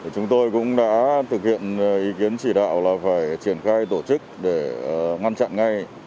chúng tôi cũng đã thực hiện ý kiến chỉ đạo là phải triển khai tổ chức để ngăn chặn ngay